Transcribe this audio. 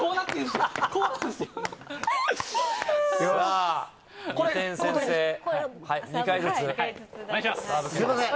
すみません。